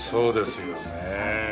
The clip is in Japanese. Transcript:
そうですよねえ。